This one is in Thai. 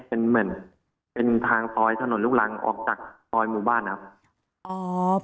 เป็นเหมือนเป็นทางซอยถนนลูกรังออกจากซอยหมู่บ้านนะครับ